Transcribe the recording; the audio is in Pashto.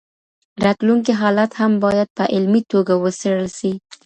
راتلونکي حالات هم باید په علمي توګه وڅېړل سي.